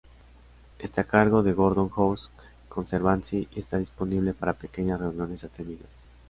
Está a cargo de Gordon House Conservancy y está disponible para pequeñas reuniones atendidas.